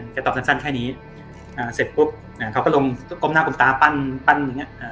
ตอบสั้นแค่นี้เสร็จปุ๊บเขาก็ลงก็ก้มหน้าก้มตาปั้นอย่างเงี้